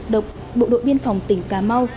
độc bộ đội biên phòng tỉnh cà mau